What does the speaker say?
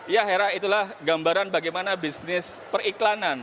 ya hera itulah gambaran bagaimana bisnis periklanan